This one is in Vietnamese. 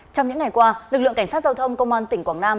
trong những ngày qua lực lượng cảnh sát giao thông công an tỉnh quảng nam